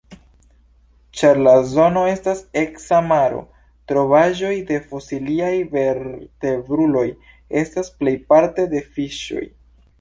Ĉar la zono estas eksa maro, trovaĵoj de fosiliaj vertebruloj estas plejparte de fiŝoj.